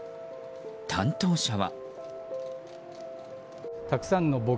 担当者は。